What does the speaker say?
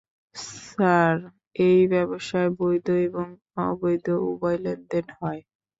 Sir, এই ব্যবসায়, বৈধ এবং অবৈধ উভয় লেনদেন হয়।